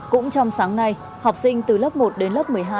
cũng trong sáng nay học sinh từ lớp một đến lớp một mươi hai